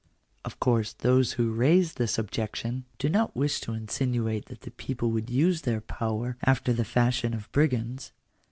Of course those who raise this objection do not wish to in* sinuate that the people would use their power after the fashion of brigands.